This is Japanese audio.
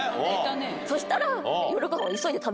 そしたら。